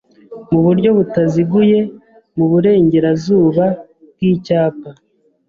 mu buryo butaziguye mu Burengerazuba bw'Icyapa